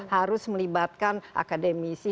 harus melibatkan akademisi